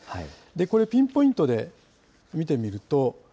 これ、ピンポイントで見てみると。